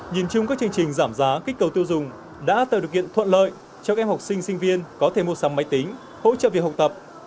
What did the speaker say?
nhìn chung các chương trình giảm giá kích cầu tiêu dùng đã tạo được kiện thuận lợi cho các em học sinh sinh viên có thể mua sắm máy tính hỗ trợ việc học tập